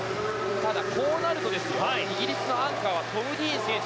ただこうなるとイギリスのアンカーはトム・ディーン選手。